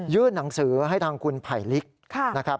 หนังสือให้ทางคุณไผลลิกนะครับ